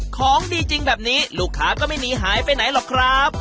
ของดีจริงแบบนี้ลูกค้าก็ไม่หนีหายไปไหนหรอกครับ